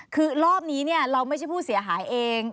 คือรอบนี้เราไม่ใช่ผู้เสียหายเอง